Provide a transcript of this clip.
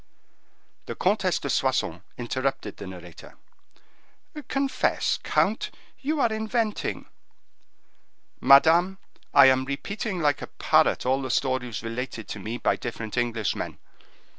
The Comtesse de Soissons interrupted the narrator: "Confess, count, you are inventing." "Madame, I am repeating like a parrot all the stories related to me by different Englishmen.